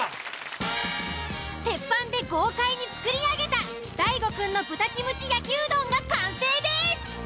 鉄板で豪快に作り上げた大悟くんの豚キムチ焼きうどんが完成です！